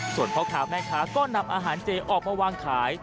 ส่วนพ่อค้าแม่ค้าก็นำอาหารเจออกมาวางขาย